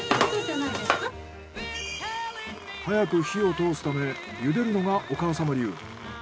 早く火を通すため茹でるのがお母様流。